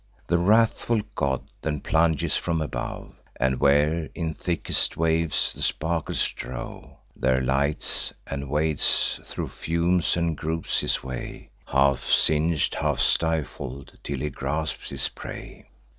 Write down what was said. The wrathful god then plunges from above, And, where in thickest waves the sparkles drove, There lights; and wades thro' fumes, and gropes his way, Half sing'd, half stifled, till he grasps his prey.